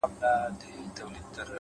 هره موخه د تمرکز او نظم غوښتنه کوي!